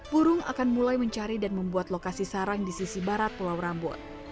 burung akan mulai mencari dan membuat lokasi sarang di sisi barat pulau rambut